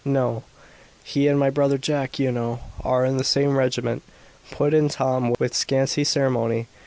"No." "He and my brother Jack, you know, are in the same regiment," put in Tom, with scanty ceremony.